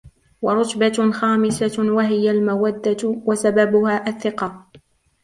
وَرُتْبَةٌ خَامِسَةٌ وَهِيَ الْمَوَدَّةُ ، وَسَبَبُهَا الثِّقَةُ